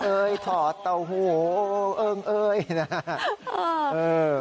เฮ้ยถอดเต่าโหเอิ่มเอ่ยนะ